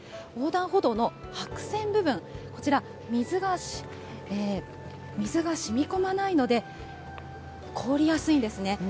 横断歩道の白線部分、こちら、水がしみこまないので、凍りやすいんですね。